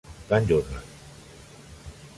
Plant Journal.